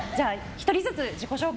１人ずつ自己紹介